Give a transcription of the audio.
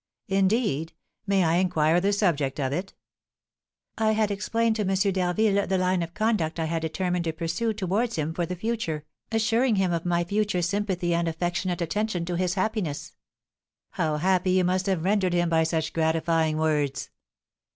"Indeed! May I inquire the subject of it?" "I had explained to M. d'Harville the line of conduct I had determined to pursue towards him for the future, assuring him of my future sympathy and affectionate attention to his happiness." "How happy you must have rendered him by such gratifying words!"